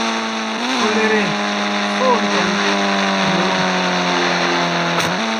Folere fô tòŋ kamelûm,